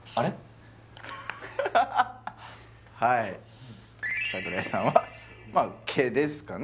はい櫻井さんはまあ毛ですかね